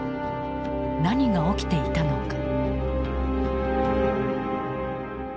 何が起きていたのか。